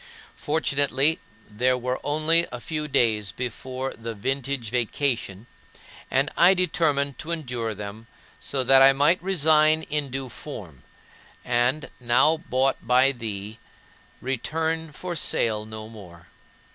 Fortunately, there were only a few days before the "vintage vacation"; and I determined to endure them, so that I might resign in due form and, now bought by thee, return for sale no more.